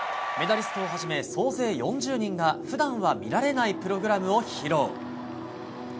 メダリストをはじめ総勢４０人が普段は見られないプログラムを披露。